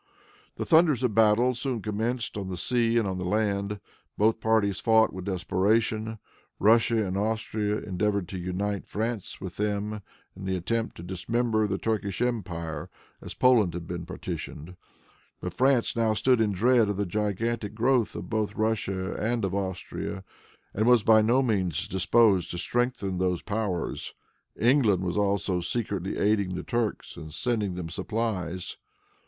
The thunders of battle soon commenced on the sea and on the land. Both parties fought with desperation. Russia and Austria endeavored to unite France with them, in the attempt to dismember the Turkish empire as Poland had been partitioned, but France now stood in dread of the gigantic growth both of Russia and of Austria, and was by no means disposed to strengthen those powers. England was also secretly aiding the Turks and sending them supplies.